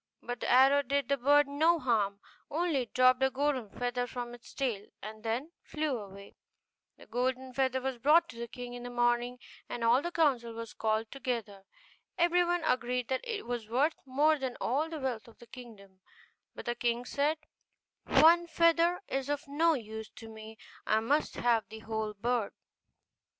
But the arrow did the bird no harm; only it dropped a golden feather from its tail, and then flew away. The golden feather was brought to the king in the morning, and all the council was called together. Everyone agreed that it was worth more than all the wealth of the kingdom: but the king said, 'One feather is of no use to me, I must have the whole bird.